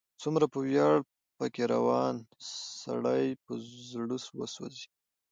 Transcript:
څومره په ویاړ، په کې روان، سړی په زړه وسوځي